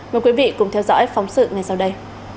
mời quý vị cùng theo dõi phóng sự ngay sau đây